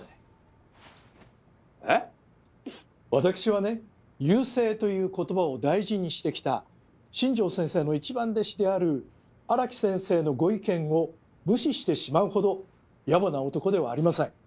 わたくしはね「遊星」という言葉を大事にしてきた新城先生の一番弟子である荒木先生のご意見を無視してしまうほどやぼな男ではありません。